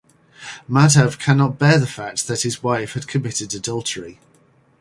Madhav cannot bear the fact that his wife has committed adultery.